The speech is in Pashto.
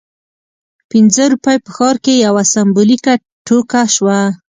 پنځه روپۍ په ښار کې یوه سمبولیکه ټوکه شوه.